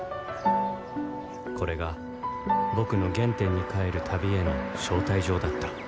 これが僕の原点に返る旅への招待状だった